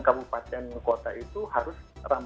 kabupaten kota itu harus